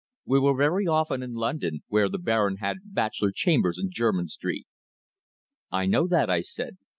We were very often in London, where the Baron had bachelor chambers in Jermyn Street." "I know that," I said.